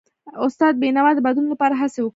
استاد بینوا د بدلون لپاره هڅې وکړي.